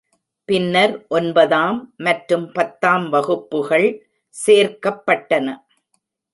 பின்னர் ஒன்பதாம் மற்றும் பத்தாம் வகுப்புகள் சேர்க்கப்பட்டன.